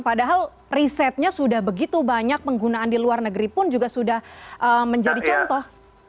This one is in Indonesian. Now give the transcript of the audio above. padahal risetnya sudah begitu banyak penggunaan di luar negeri pun juga sudah menjadi contoh